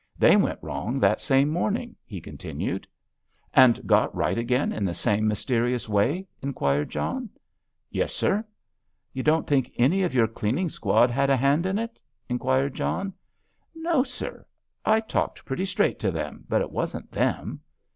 "They went wrong that same morning," he continued. "And got right again in the same mysterious way?" inquired John. "Yes, sir." "You don't think any of your cleaning squad had a hand in it?" inquired John. "No, sir; I talked pretty straight to them, but it wasn't them."